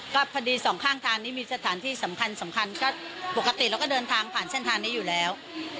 ก็พอดีสองข้างทางนี้มีสถานที่สำคัญก็ปกติเราก็เดินทางผ่านเส้นทางนี้อยู่แล้ว